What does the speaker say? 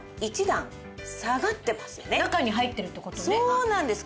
そうなんです。